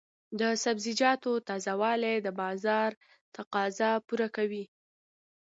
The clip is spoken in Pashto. د سبزیجاتو تازه والي د بازار تقاضا پوره کوي.